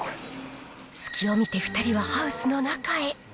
隙を見て２人はハウスの中へ。